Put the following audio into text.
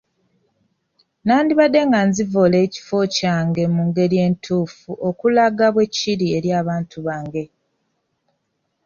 Nandibadde nga nzivoola ekifo kyange mu ngeri ntuufu, okulaga bwe kiri eri abantu bange.